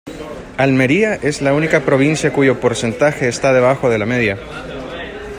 Almería es la única provincia cuyo porcentaje está debajo de la media